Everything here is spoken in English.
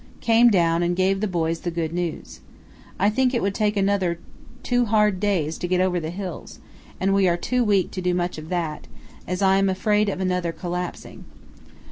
Came down and gave the boys the good news. I think it would take another two hard days to get over the hills, and we are too weak to do much of that, as I am afraid of another collapsing.